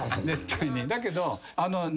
だけど。